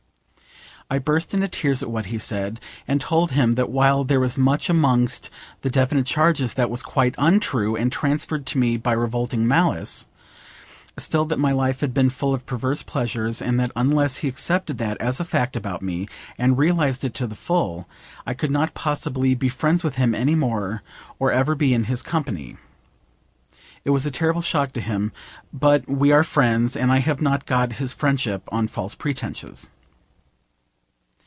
I burst into tears at what he said, and told him that while there was much amongst the definite charges that was quite untrue and transferred to me by revolting malice, still that my life had been full of perverse pleasures, and that unless he accepted that as a fact about me and realised it to the full I could not possibly be friends with him any more, or ever be in his company. It was a terrible shock to him, but we are friends, and I have not got his friendship on false pretences.